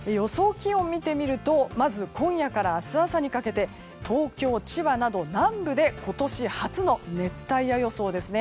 気温を見てみるとまず今夜から明日朝にかけて東京、千葉など南部で今年初の熱帯夜予想ですね。